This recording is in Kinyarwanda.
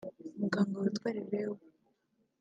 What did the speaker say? umuganga witwa Leleu